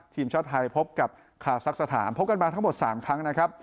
ทีมชาติไทยพบกับคาซักสถานพบกันมาทั้งหมด๓ครั้งนะครับ